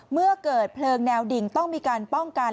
เมื่อเกิดเพลิงแนวดิ่งต้องมีการป้องกัน